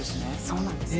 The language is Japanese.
そうなんです。